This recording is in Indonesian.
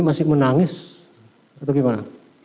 masih menangis atau gimana